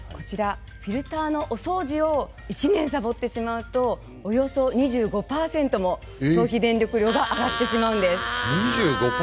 フィルターのお掃除を１年さぼってしまうとおよそ２５％も消費電力量が上がってしまうんです。